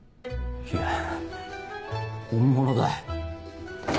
いや本物だ。